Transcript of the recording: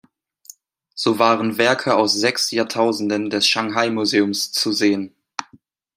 So waren Werke aus sechs Jahrtausenden des Shanghai Museums zu sehen.